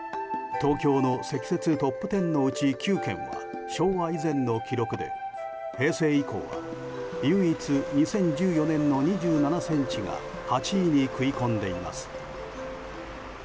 東京の積雪トップ１０のうち９件は昭和以前の記録で平成以降は唯一２０１４年の２７ｃｍが８位に食い込んでいます。